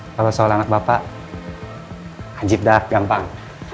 kalau soal anak bapak hajib darah gampang